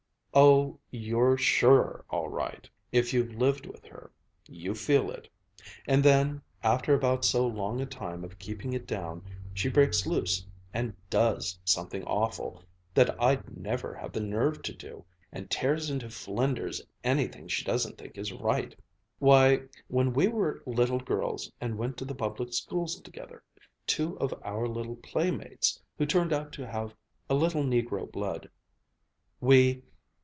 "Oh, you're sure, all right, if you've lived with her you feel it. And then, after about so long a time of keeping it down, she breaks loose and does something awful, that I'd never have the nerve to do, and tears into flinders anything she doesn't think is right. Why, when we were little girls and went to the public schools together, two of our little playmates, who turned out to have a little negro blood, we